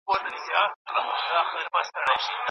چي نا اهله په وطن كي پر قدرت وي